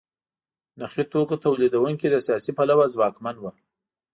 نخي توکو تولیدوونکي له سیاسي پلوه ځواکمن وو.